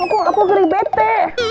aku aku gerih bete